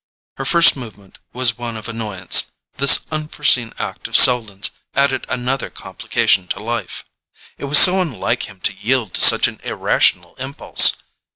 Her first movement was one of annoyance: this unforeseen act of Selden's added another complication to life. It was so unlike him to yield to such an irrational impulse!